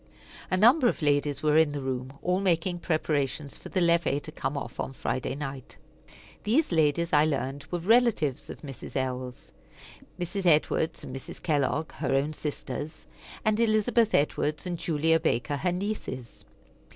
A number of ladies were in the room, all making preparations for the levee to come off on Friday night. These ladies, I learned, were relatives of Mrs. L.'s, Mrs. Edwards and Mrs. Kellogg, her own sisters, and Elizabeth Edwards and Julia Baker, her nieces.